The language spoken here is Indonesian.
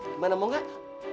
gimana mau gak